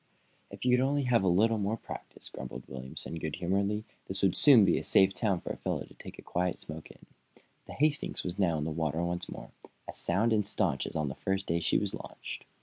"If you could only have a little more practice," grumbled Williamson, good humoredly, "this would soon be a safe town for a fellow to take a quiet smoke in." The "Hastings" was now in the water once more, as sound and staunch as on the first day she was launched.